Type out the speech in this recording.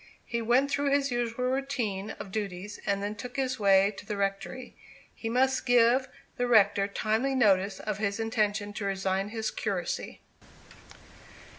He went through his usual routine of duties, and then took his way to the rectory. He must give the rector timely notice of his intention to resign his curacy.